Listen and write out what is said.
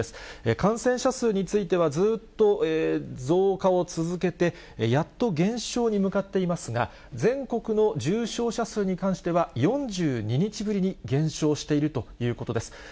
感染者数については、ずっと増加を続けて、やっと減少に向かっていますが、全国の重症者数に関しては、４２日ぶりに減少しているということです。